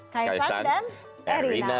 kaisan dan erina